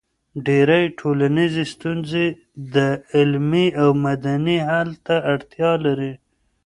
ډېری ټولنیزې ستونزې علمي او مدني حل ته اړتیا لري.